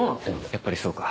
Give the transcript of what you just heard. やっぱりそうか。